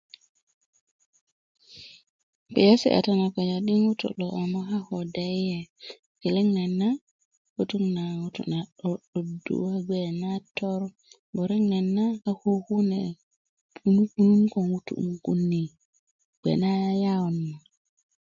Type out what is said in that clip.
kpiyesi kata na kpeja di ŋutu lo a moka ko deyiye geleŋ nait na kutuk na ŋutu na 'do'dodu a gbe nator murek nayit na a ko kune punu punun